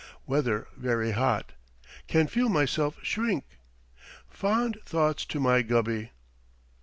Weather very hot. Can feel myself shrink. Fond thoughts to my Gubby.